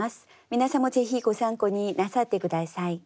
皆さんもぜひご参考になさって下さい。